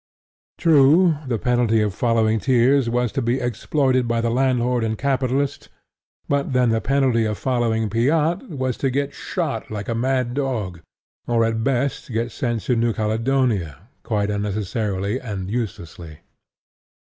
True, the penalty of following Thiers was to be exploited by the landlord and capitalist; but then the penalty of following Pyat was to get shot like a mad dog, or at best get sent to New Caledonia, quite unnecessarily and uselessly.